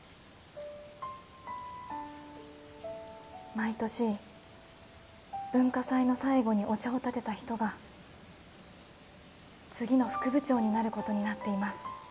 毎年文化祭の最後にお茶をたてた人が次の副部長になることになっています。